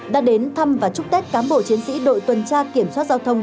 đã đến thăm và chúc tết cán bộ chiến sĩ đội tuần tra kiểm soát giao thông